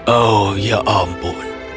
oh ya ampun